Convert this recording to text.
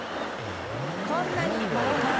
こんなに曲がります。